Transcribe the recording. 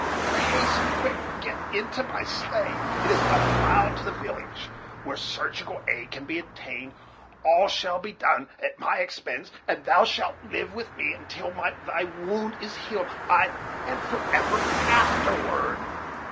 But hasten quick get into my sleigh it is but a mile to the village, where surgical aid can be obtained all shall be done at my expense, and thou shalt live with me until thy wound is healed, ay, and forever afterward."